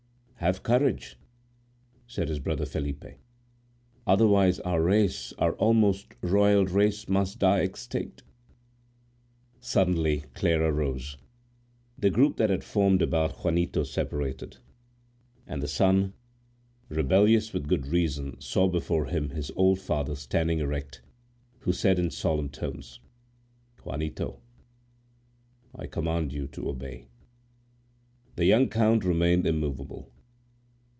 "Have courage," said his brother Felipe; "otherwise our race, our almost royal race, must die extinct." Suddenly Clara rose, the group that had formed about Juanito separated, and the son, rebellious with good reason, saw before him his old father standing erect, who said in solemn tones,— "Juanito, I command you to obey." The young count remained immovable.